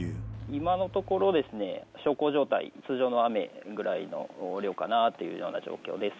今のところ小康状態、通常の雨ぐらいの量かなというような状況です。